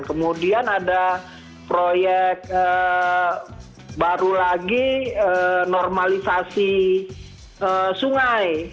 kemudian ada proyek baru lagi normalisasi sungai